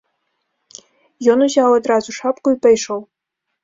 Ён узяў адразу шапку і пайшоў.